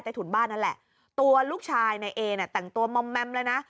ถุนบ้านนั่นแหละตัวลูกชายในเอเนี่ยแต่งตัวมอมแมมเลยนะ